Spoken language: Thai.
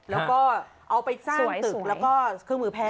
แล้วก็เอาไปสร้างตึกแล้วก็เครื่องมือแพทย์